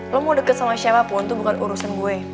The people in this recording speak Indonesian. lo mau deket sama siapapun tuh bukan urusan gue